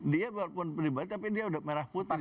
dia walaupun pribadi tapi dia udah merah putih